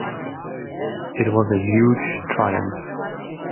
It was a huge triumph.